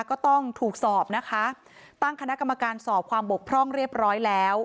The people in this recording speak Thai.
ก็ต้องถูกสอบนะคะตั้งคณะกรรมการสอบความบกพร่องเรียบร้อยแล้ว